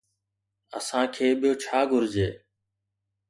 اسان کي ٻيو ڇا گهرجي؟